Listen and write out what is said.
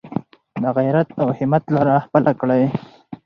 د غیرت او همت لاره خپله کړئ.